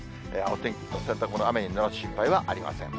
お天気、洗濯物、雨にぬらす心配はありません。